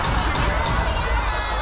よっしゃ！